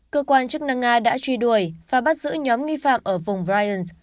cơ quan chức năng nga đã truy đuổi và bắt giữ nhóm nghi phạm ở vùng briens